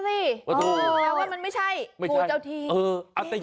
เอ้าไม่มีหรอสิ